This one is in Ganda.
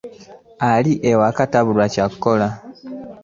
Ali ewaka tabulwa kyakola .